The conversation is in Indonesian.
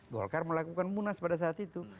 golkar melakukan munas pada saat itu